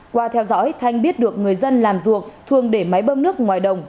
qua theo dõi thanh biết được người dân làm ruộng thường để máy bơm nước ngoài đồng